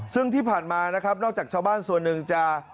ซึ่งที่ผ่านมานะครับนอกจากชาวบ้านส่วนหนึ่งจะ